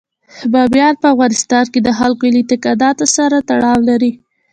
بامیان په افغانستان کې د خلکو له اعتقاداتو سره تړاو لري.